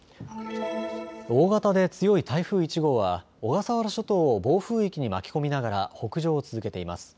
大型で強い台風１号は小笠原諸島を暴風域に巻き込みながら北上を続けています。